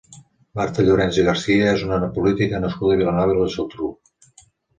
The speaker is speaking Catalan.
Marta Llorens i Garcia és una política nascuda a Vilanova i la Geltrú.